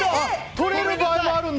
とれる場合もあるんだ。